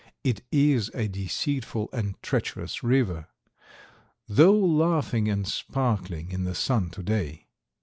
It is a deceitful and treacherous river, though laughing and sparkling in the sun to day.